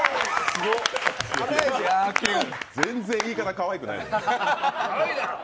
全然、言い方、かわいくない。